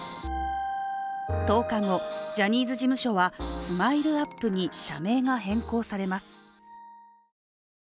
１０日後、ジャニーズ事務所はＳＭＩＬＥ−ＵＰ．に社名が変更されます。